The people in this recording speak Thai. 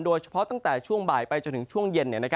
โดยเฉพาะตั้งแต่ช่วงบ่ายไปจนถึงช่วงเย็น